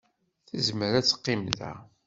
Tezmer ad teqqim da.